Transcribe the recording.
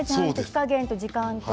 火加減と時間と。